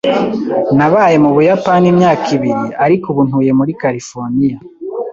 Nabaye mu Buyapani imyaka ibiri, ariko ubu ntuye muri California